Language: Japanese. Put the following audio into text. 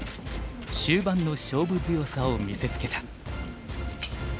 終盤の勝負強さを見せつけた。